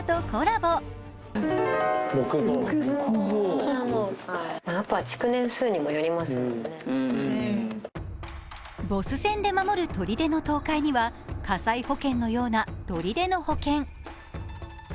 ボス戦で守る砦の倒壊には火災保険のような、砦の保険。